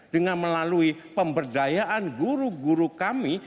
dengan melalui pemberdayaan guru guru kami